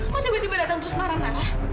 kamu tiba tiba datang terus marah marah